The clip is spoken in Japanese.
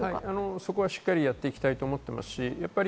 そこはしっかりやっていきたいと思います。